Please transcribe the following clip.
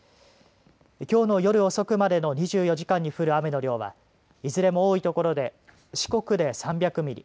きょうの夜遅くまでの２４時間に降る雨の量はいずれも多いところで四国で３００ミリ